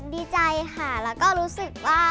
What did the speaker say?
ดีใจค่ะแล้วก็รู้สึกว่า